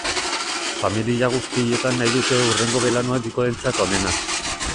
Familia guztietan nahi dute hurrengo belaunaldikoentzat onena.